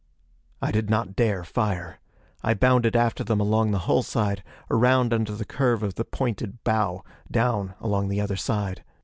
I did not dare fire. I bounded after them along the hull side, around under the curve of the pointed bow, down along the other side.